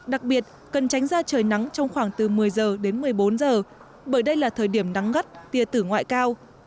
đặc biệt cần tránh ra trời nắng trong khoảng từ một mươi giờ đến một mươi bốn giờ bởi đây là thời điểm nắng gắt tia tử ngoại cao